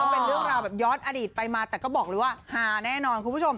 เป็นเรื่องราวแบบย้อนอดีตไปมาแต่ก็บอกเลยว่าฮาแน่นอนคุณผู้ชม